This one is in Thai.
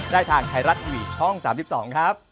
ได้ทางไทยรัฐทีวีช่อง๓๒ครับ